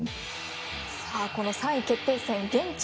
３位決定戦現地